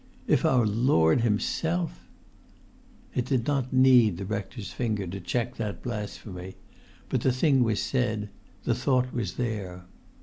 "If our Lord Himself——" It did not need the rector's finger to check that blasphemy; but the thing was said; the thought was there.